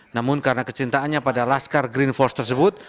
namun karena kecintaannya pada laskar green force tersebut